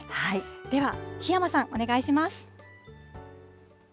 では、檜山さんお願いします。